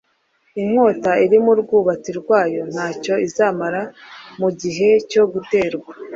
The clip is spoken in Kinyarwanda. Inkota iri mu rwubati rwayo ntacyo izamara mu gihe cyo guterwa.